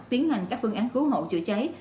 tiến hành các phương án cứu hộ chữa cháy